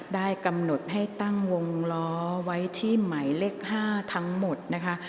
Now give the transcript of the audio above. ได้กำหนดให้ตั้งวงล้อไว้ที่หมายเลข๕ทั้งหมดนะคะ